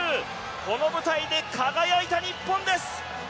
この舞台で輝いた日本です！